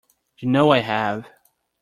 You know I have.